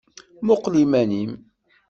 Muqqel iman-im.